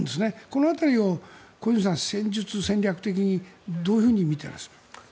この辺りを小泉さんは戦術、戦略的にどういうふうにみていますか？